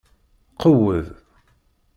Qewwed!